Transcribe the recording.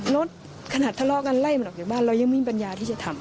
รถขนาดทะเลาะกันไล่มันออกจากบ้านเรายังไม่ปัญญาที่จะทำ